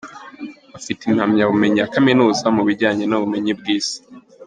Afite impamyabumenyi ya Kaminuza mu bijyanye n’Ubumenyi bw’Isi.